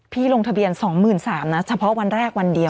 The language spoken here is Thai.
ลงทะเบียน๒๓๐๐นะเฉพาะวันแรกวันเดียว